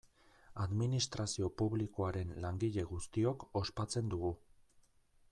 Administrazio publikoaren langile guztiok ospatzen dugu.